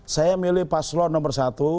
saya milih paslon nomor satu